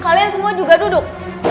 kalian semua juga duduk